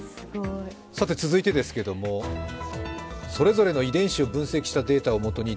続いてですけれどもそれぞれの遺伝子を分析したデータをもとに